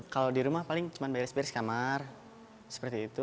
kalau di rumah paling cuma beres beres kamar seperti itu